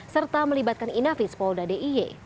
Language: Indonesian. serta melibatkan inafis polda d i y